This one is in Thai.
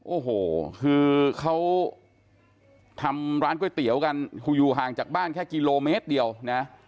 โอ้โหคือเขาทำร้านก๋วยเตี๋ยวกันอยู่ห่างจากบ้านแค่กิโลเมตรเดียวนะ